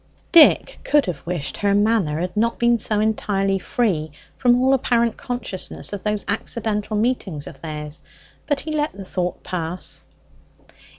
Dick could have wished her manner had not been so entirely free from all apparent consciousness of those accidental meetings of theirs: but he let the thought pass.